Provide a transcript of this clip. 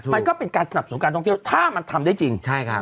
มันก็เป็นการสนับสนุนการท่องเที่ยวถ้ามันทำได้จริงใช่ครับ